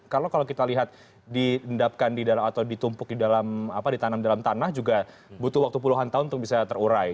kalau kita lihat diendapkan di dalam atau ditumpuk di dalam ditanam dalam tanah juga butuh waktu puluhan tahun untuk bisa terurai